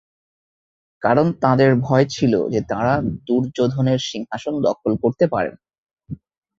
কারণ তাঁদের ভয় ছিল যে তাঁরা দুর্যোধনের সিংহাসন দখল করতে পারেন।